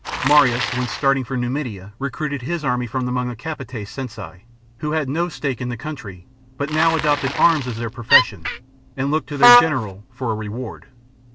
Marius, when starting for Numidia, recruited his army from among the " capite censi," who had no stake in the country, but now adopted arms as their profession, and looked to their general for reward.